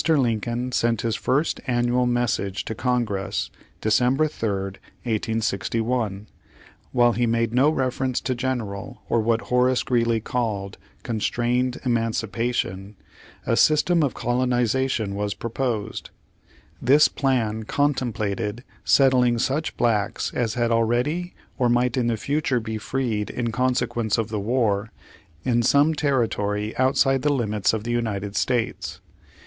Lincoln sent his first annual message to Congress, December 3, 1861. While he made no reference to general, or what Horace Greeley 1 May 9, 18G1. Page Fifty four Page Fifty five called "constrained emancipation," a system of colonization was proposed. This plan contem plated settling such blacks as had already, or might in the future be freed in consequence of the war, in some territory outside the limits of the United States.